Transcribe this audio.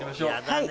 はい。